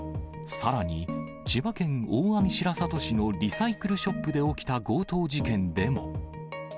さらに、千葉県大網白里市のリサイクルショップで起きた強盗事件でも。